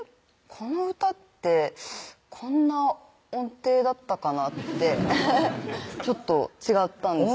この歌ってこんな音程だったかなってアハハッちょっと違ったんですよ